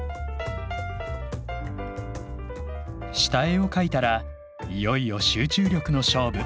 下絵を描いたらいよいよ集中力の勝負。